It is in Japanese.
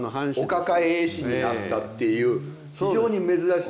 お抱え絵師になったっていう非常に珍しい。